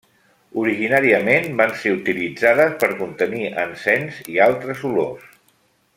Originàriament van ser utilitzades per contenir encens i altres olors.